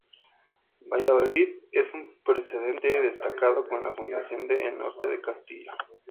Valladolid es un precedente destacado con la fundación de El Norte de Castilla.